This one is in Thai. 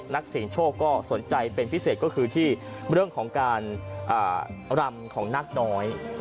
นักเสียงโชคก็สนใจเป็นพิเศษก็คือที่เรื่องของการรำของนักน้อย